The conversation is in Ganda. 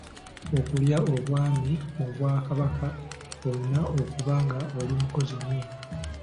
Okulya Obwami mu Bwakabaka olina okuba nga oli mukozi nnyo.